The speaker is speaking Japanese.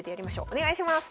お願いします。